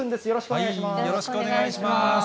よろしくお願いします。